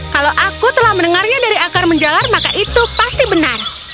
kalau aku telah mendengarnya dari akar menjalar maka itu pasti benar